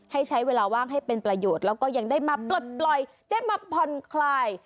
ให้ใช้เวลาว่างให้เป็นประโยชน์แล้วก็ยังได้มาปลดปล่อยได้มาผ่อนคลาย